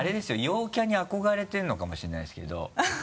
陽キャに憧れてるのかもしれないですけど。